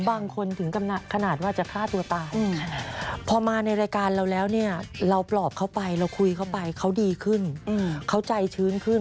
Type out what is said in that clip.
บางคนถึงขนาดว่าจะฆ่าตัวตายพอมาในรายการเราแล้วเนี่ยเราปลอบเข้าไปเราคุยเขาไปเขาดีขึ้นเขาใจชื้นขึ้น